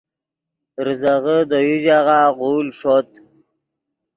ریزغے دے یو ژاغہ غول ݰوت